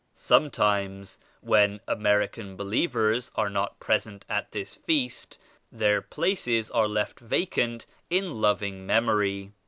Sometimes when American believ ers are not present at this Feast, their places are left vacant in loving memory.